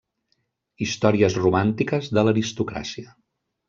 Històries romàntiques de l'aristocràcia.